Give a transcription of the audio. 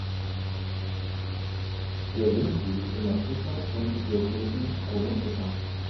Der Wind weht immer frischer und wir grüßen Bruno Fischer.